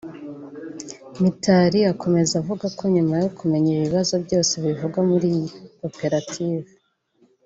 Mitali akomeza avuga ko nyuma yo kumenya ibi bibazo byose bivugwa muri iyi koperative